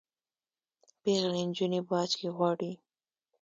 پیغلي نجوني باج کي غواړي